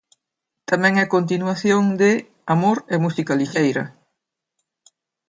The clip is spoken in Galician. Tamén é continuación de 'Amor e música lixeira'.